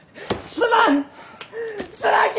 すまんき！